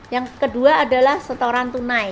yang kedua adalah setoran tunai